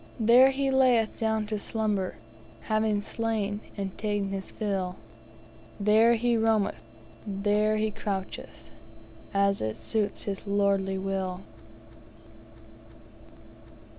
There he layeth down to slumber, Having slain and ta'en his fill; There he roameth, there be croucheth, As it suits his lordly will.